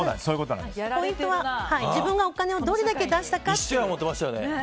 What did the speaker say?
ポイントは自分がお金をどれだけ出したか。